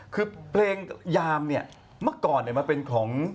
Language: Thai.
คือเนื่องกับเพลงยามเก่ามาเป็นของ